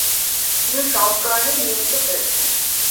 দুই সংস্করণে নিয়মিত হয়েছেন।